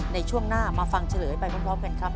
ในช่วงหน้ามาฟังเฉลยไปพร้อมกันครับ